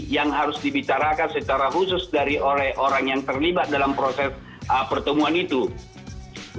yang harus dibicarakan secara khusus dari orang orang yang terlibat dalam proses komunikasi